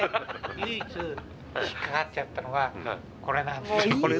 唯一引っ掛かっちゃったのがこれなんです。